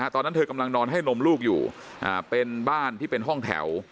ตอนนั้นเธอกำลังนอนให้นมลูกอยู่เป็นบ้านที่เป็นห้องแถว